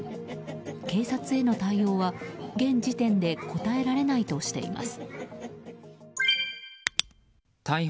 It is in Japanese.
警察への対応は、現時点では答えられないとしています。